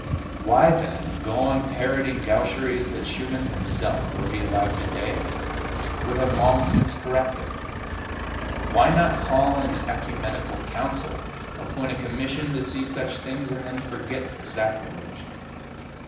Why, then, go on parroting gaucheries that Schumann himself, were he alive today, would have long since corrected? Why not call an ecumenical council, appoint a commission to see to such things, and then forget the sacrilege?